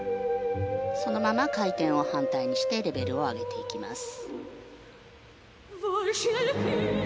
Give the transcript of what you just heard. そのまま回転を反対にしてレベルを上げていきます。